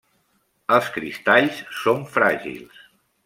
Els cristalls són fràgils.